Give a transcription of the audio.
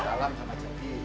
jalan sama ceti